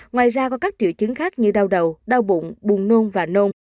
ngoài ra có các triệu chứng khác như đau đầu đau bụng buồn nôn và nôm